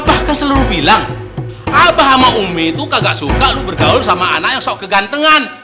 abah kan selalu bilang abah sama umi tuh kagak suka lu bergaul sama anak yang sok kegantengan